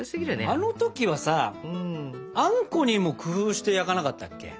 あの時はさあんこにも工夫して焼かなかったっけ？